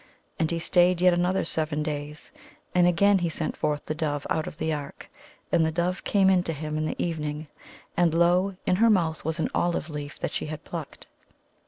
296 IN THE NURSERY And he stayed yet another seven days; and again he sent forth the dove out of the ark. And the dove came in to him in the evening; and, lo, in her mouth was an oHve leaf that she had plucked.